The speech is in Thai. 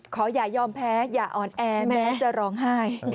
ขออย่ายอมแพ้อย่าอ่อนแอแม้จะร้องไห้